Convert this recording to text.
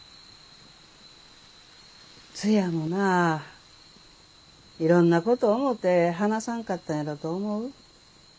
ツヤもないろんなこと思うて話さんかったんやろうと思う。